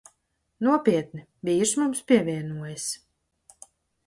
Nopietni. Vīrs mums pievienojas.